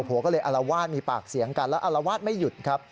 ผัวก็เลยอารวาสมีปากเสียงกันแล้วอารวาสไม่หยุดครับ